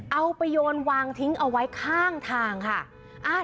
เอาไปโยนวางทิ้งเอาไว้ข้างทางค่ะ